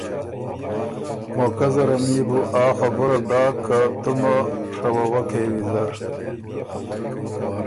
موقع زرم يې بو آ خبُره داک که تُومه ڒوه وکې ویزر۔